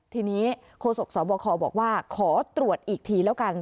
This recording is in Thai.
ทีนี้โฆษกสบคบอกว่าขอตรวจอีกทีแล้วกัน